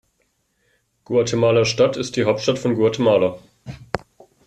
Guatemala-Stadt ist die Hauptstadt von Guatemala.